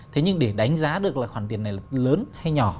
thế nhưng để đánh giá được là khoản tiền này là lớn hay nhỏ